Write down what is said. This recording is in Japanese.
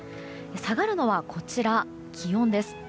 下がるのはこちら、気温です。